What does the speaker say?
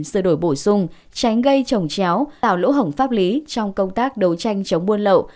sửa đổi bổ sung tránh gây trồng chéo tạo lỗ hổng pháp lý trong công tác đấu tranh chống buôn lậu